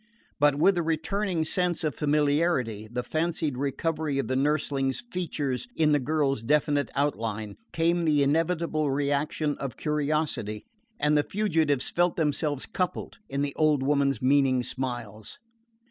But with the returning sense of familiarity the fancied recovery of the nurseling's features in the girl's definite outline came the inevitable reaction of curiosity, and the fugitives felt themselves coupled in the old woman's meaning smiles.